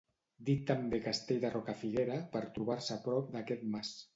Dit també castell de Rocafiguera, per trobar-se prop d'aquest mas.